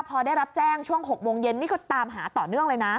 พอได้รับแจ้งช่วง๖โมงเย็นนี่ก็ตามหาต่อเนื่องเลยนะ